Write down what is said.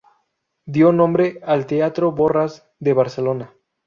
Dio nombre al Teatro Borrás de Barcelona.